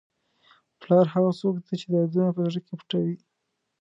پلار هغه څوک دی چې دردونه په زړه کې پټوي.